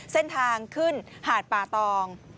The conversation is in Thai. เส้นทางขึ้นหาดป่าตอง